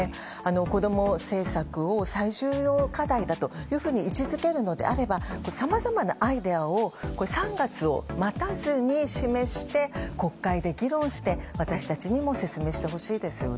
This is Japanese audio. こども政策を最重要課題だと位置づけるのであればさまざまなアイデアを３月を待たずに示して国会で議論して私たちにも説明してほしいですよね。